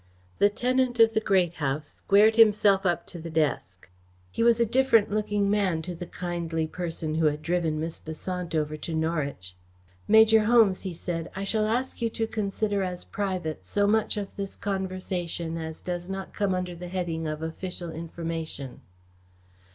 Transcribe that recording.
The tenant of the Great House squared himself up to the desk. He was a different looking man to the kindly person who had driven Miss Besant over to Norwich. "Major Holmes," he said, "I shall ask you to consider as private so much of this conversation as does not come under the heading of official information."